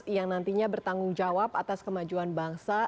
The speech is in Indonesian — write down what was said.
yang nantinya bertanggung jawab atas kemajuan bangsa